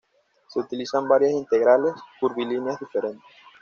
Se utilizan varias integrales curvilíneas diferentes.